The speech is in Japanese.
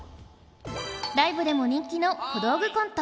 ライブでも人気の小道具コント